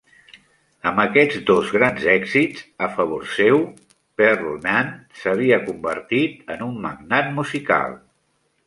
Amb aquests dos grans èxits a favor seu, Pearlman s'havia convertit en un magnat musical.